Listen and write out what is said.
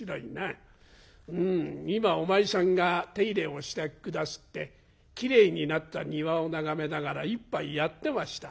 うん今お前さんが手入れをして下すってきれいになった庭を眺めながら一杯やってました」。